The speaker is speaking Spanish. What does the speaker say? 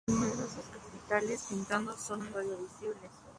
Numerosos capiteles pintados son todavía visibles.